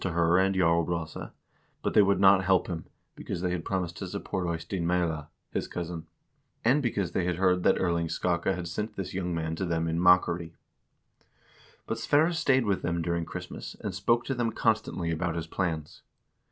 '' 378 HISTORY OP THE NORWEGIAN PEOPLE would not help him, because they had promised to support Eystein Meyla (his cousin), and because they had heard that Erling Skakke had sent this young man to them in mockery. But Sverre stayed with them during Christmas, and spoke to them constantly about his plans.